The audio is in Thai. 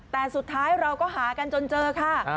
แต่สุดท้ายเราก็หากันจนเจอค่ะ